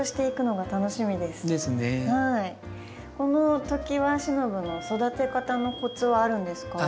このトキワシノブの育て方のコツはあるんですか？